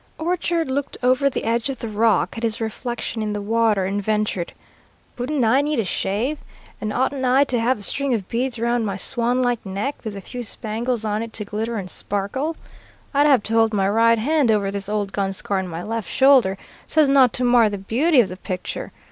Orchard looked over the edge of the rock at his reflection in the water, and ventured, "Wouldn't I need a shave? and oughtn't I to have a string of beads around my swan like neck, with a few spangles on it to glitter and sparkle? I'd have to hold my right hand over this old gun scar in my left shoulder, so as not to mar the beauty of the picture.